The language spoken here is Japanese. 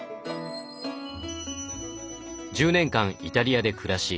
１０年間イタリアで暮らし